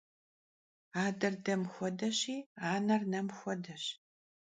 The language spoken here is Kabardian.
Ader dem xuedeşi, aner nem xuedeş.